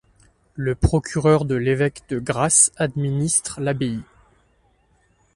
Le procureur de l'évêque de Grasse administre l'abbaye.